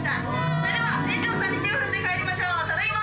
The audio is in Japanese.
それでは船長さんに手を振って帰りましょうただいま！